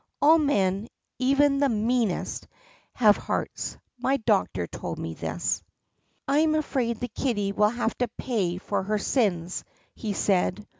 All men, even the meanest, have hearts. My doctor told me this. "I am afraid the kitty will have to pay for her sins," he said.